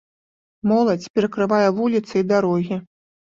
Моладзь перакрывае вуліцы і дарогі.